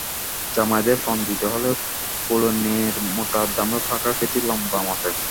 জামাইদের পণ দিতে হল কৌলীন্যের মোটা দামে ও ফাঁকা খ্যাতির লম্বা মাপে।